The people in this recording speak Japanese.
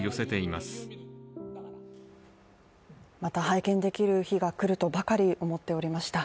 また拝見できる日が来るとばかり思っていました。